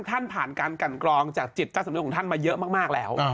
ผ่านการกันกรองจากจิตใต้สำนึกของท่านมาเยอะมากแล้ว